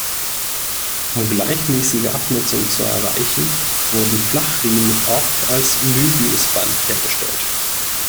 Um gleichmäßige Abnutzung zu erreichen, wurden Flachriemen oft als Möbiusband hergestellt.